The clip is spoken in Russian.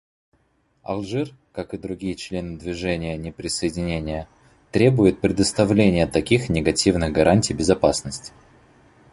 Алжир, как и другие члены Движения неприсоединения, требует предоставления таких негативных гарантий безопасности.